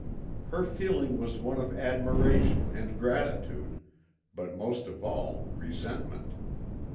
Her feeling was one of admiration and gratitude, but most of all resentment.